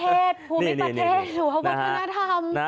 ภูมิประเทศหรือว่าวัฒนธรรม